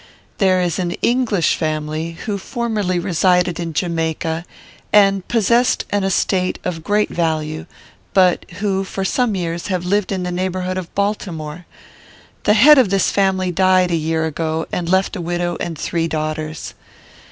"'There is an English family, who formerly resided in Jamaica, and possessed an estate of great value, but who, for some years, have lived in the neighbourhood of Baltimore. The head of this family died a year ago, and left a widow and three daughters.